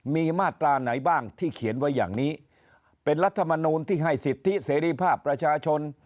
มีมาตราไหนบ้างที่เขียนไว้อย่างนี้เป็นรัฐมนูลที่ให้สิทธิเสรีภาพประชาชน